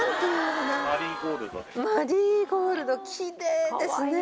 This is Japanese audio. マリーゴールドキレイですね。